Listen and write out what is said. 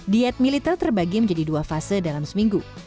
diet militer terbagi menjadi dua fase dalam seminggu